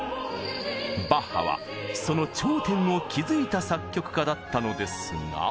バッハはその頂点を築いた作曲家だったのですが。